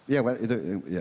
iya pak itu